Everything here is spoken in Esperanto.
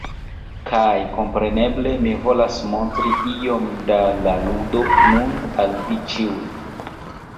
Kaj kompreneble, mi volas montri iom da la ludo nun al vi ĉiuj.